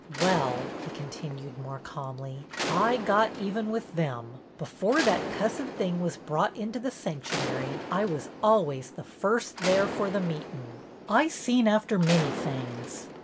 " Well," he continued more calmly, " I got even with them. Before that cussed thing was brought into the sanctuary, I was always the first there for the meetin'. I seen after many things.